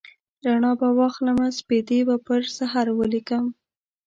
رڼا به واخلمه سپیدې به پر سحر ولیکم